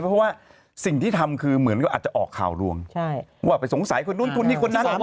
เพราะว่าสิ่งที่ทำคือเหมือนก็อาจจะออกข่าวรวมว่าไปสงสัยคนนู้นคนนี้คนนั้น